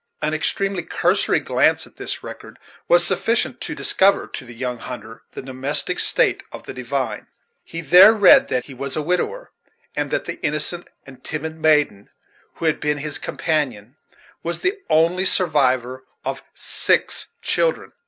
An extremely cursory glance at this record was sufficient to discover to the young hunter the domestic state of the divine. He there read that he was a widower; and that the innocent and timid maiden, who had been his companion, was the only survivor of six children.